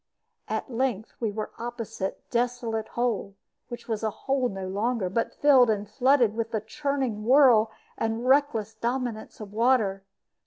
At length we were opposite "Desolate Hole," which was a hole no longer, but filled and flooded with the churning whirl and reckless dominance of water.